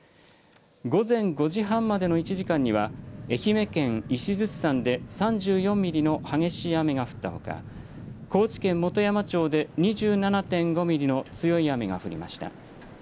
午前５時半までの１時間には、愛媛県石鎚山で３４ミリの激しい雨が降ったほか、高知県本山町で２７．５ミリの強い雨が降りました。